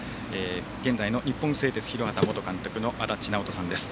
現在の日本製鉄広畑元監督の足達尚人さんです。